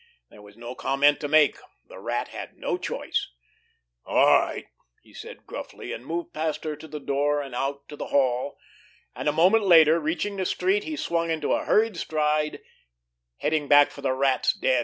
There was no comment to make. The Rat had no choice. "All right!" he said gruffly, and moved past her to the door, and out to the hall; and a moment later, reaching the street, he swung into a hurried stride, heading back for the Rat's den.